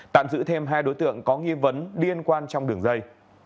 tạm giữ thêm hai đối tượng có nghi vấn liên quan trong đường dây